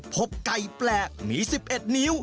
พบไก่แปลกมี๑๑นิ้ว